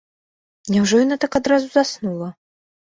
Няўжо яна так адразу заснула?!